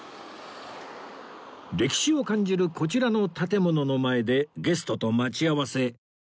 歴史を感じるこちらの建物の前でゲストと待ち合わせ